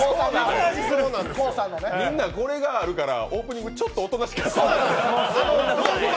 みんなこれがあるからオープニングちょっとおとなしかった。